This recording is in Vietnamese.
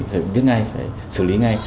phải biết ngay phải xử lý ngay